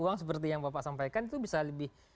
uang seperti yang bapak sampaikan itu bisa lebih